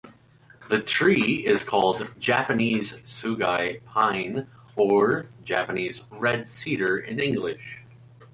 The tree is called Japanese sugi pine or Japanese red-cedar in English.